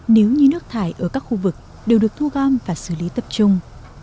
nếu như nước thải ở các khu vực đều được thu gom và xử lý tập trung